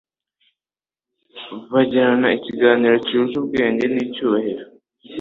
bagirana ikiganiro cyuje ubwenge n'icyubahiro